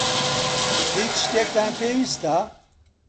هیچ شتێکتان پێویستە؟